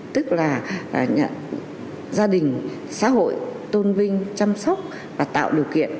tức là gia đình xã hội tôn vinh chăm sóc và tạo điều kiện